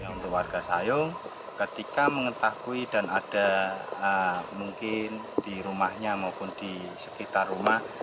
untuk warga sayung ketika mengetahui dan ada mungkin di rumahnya maupun di sekitar rumah